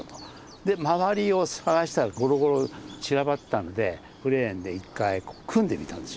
で周りを探したらゴロゴロ散らばってたんでクレーンで一回組んでみたんですよね。